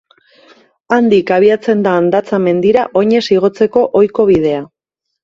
Handik abiatzen da Andatza mendira oinez igotzeko ohiko bidea.